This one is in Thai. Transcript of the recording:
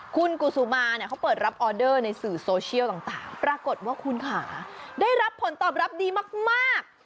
คุณกุศุมาเนี่ยเขาเปิดรับออเดอร์ในสื่อโซเชียลต่างปรากฏว่าคุณค่ะได้รับผลตอบรับดีมาก